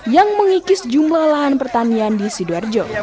yang mengikis jumlah lahan pertanian di sidoarjo